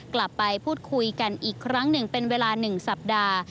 กลับไปพูดคุยกันอีกครั้งหนึ่งเป็นเวลา๑สัปดาห์